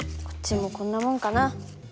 こっちもこんなもんかな。